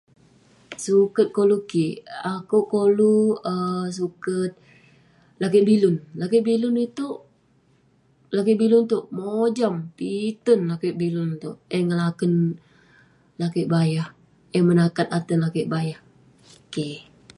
Suket koluk kik, akouk koluk lakeik bilun. Lakeik bilun iteuk, mojam, piten lakeik bilun iteuk. Eh ngelaken lakeik bayah eh menakat lakeik bayah.